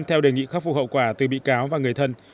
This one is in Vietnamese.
theo đề nghị khắc phục hậu quả từ bị cáo và người thân